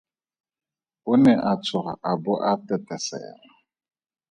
O ne a tshoga a bo a tetesela.